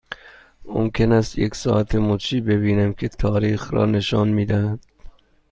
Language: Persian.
ممکن است یک ساعت مچی ببینم که تاریخ را نشان می دهد؟